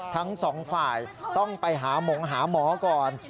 ทั้งสองฝ่ายต้องไปหาหมงหาหมอก่อน